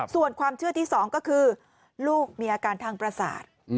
ส่วนความเชื่อที่๒ก็คือลูกมีอาการทางประสาท